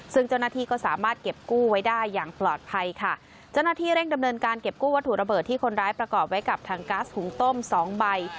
ซึ่งเจ้าหน้าที่ก็สามารถเก็บกู้ไว้ได้อย่างปลอดภัยค่ะเจ้าหน้าที่เร่งดำเนินการเก็บกู้วัตถุระเบิดที่คนร้ายประกอบไว้กับถังก๊าซหุงต้มสองใบ